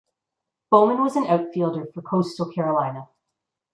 Bowman was an outfielder for Coastal Carolina.